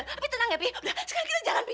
tapi tenang ya pi sekalian kita jalan pi